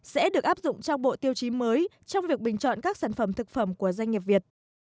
sẽ được áp dụng trong bộ tiêu chí mới trong việc bình chọn các sản phẩm thực phẩm của doanh nghiệp việt